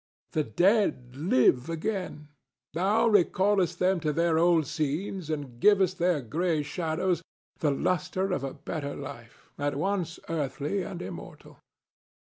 The dead live again; thou recallest them to their old scenes and givest their gray shadows the lustre of a better life, at once earthly and immortal.